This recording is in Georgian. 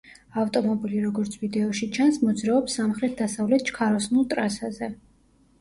ავტომობილი, როგორც ვიდეოში ჩანს, მოძრაობს სამხრეთდასავლეთ ჩქაროსნულ ტრასაზე.